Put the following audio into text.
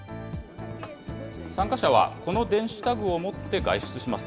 参加者はこの電子タグを持って外出します。